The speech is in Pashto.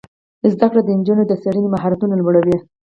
زده کړه د نجونو د څیړنې مهارتونه لوړوي.